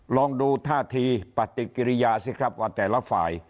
ลองดูท่าทีปฏิกิริยาสิครับว่าแต่ละฝ่าย